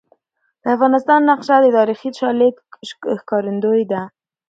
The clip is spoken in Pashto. د افغانستان نقشه د تاریخي شالید ښکارندوی ده.